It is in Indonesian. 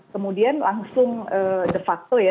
kemudian langsung de facto ya